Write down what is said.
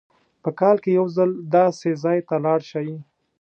په کال کې یو ځل داسې ځای ته لاړ شئ.